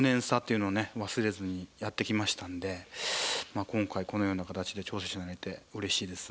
忘れずにやってきましたんで今回このような形で挑戦者になれてうれしいです。